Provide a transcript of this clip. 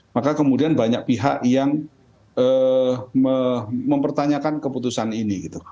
maka kemudian banyak pihak yang mempertanyakan keputusan ini